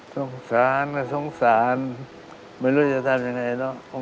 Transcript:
สงสารก็สงสารไม่รู้จะทำยังไงเนอะ